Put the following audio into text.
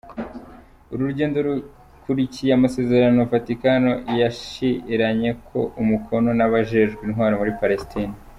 Uru rugendo rukurikiye amasezerano Vaticano yashiranyeko umukono n'abajejwe intwaro muri Palestine.